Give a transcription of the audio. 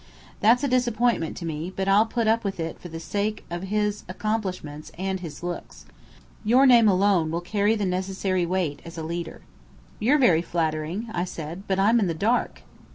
That's a disappointment to me, but I'll put up with it for the sake of his accomplishments and his looks. Your name alone will carry the necessary weight as a leader." "You're very flattering," said I. "But I'm in the dark."